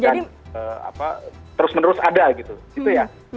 dan terus menerus ada gitu ya